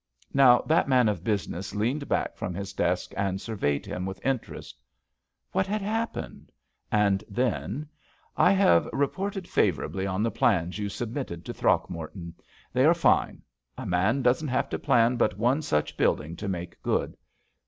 Now that man of business leaned back from his desk and surveyed him with interest. What had happened ? And then : "I have reported favorably on the plans you submitted to Throckmorton. They are fine. A man doesn't have to plan but one such building to make good.